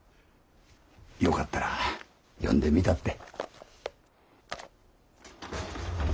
よかったら読んでみたって。